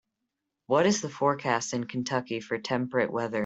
What is the forecast in Kentucky for temperate weather